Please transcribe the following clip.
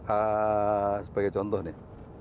eh sebagai contoh nih